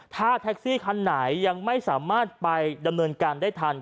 ถ้าแท็กซี่คันไหนยังไม่สามารถไปดำเนินการได้ทัน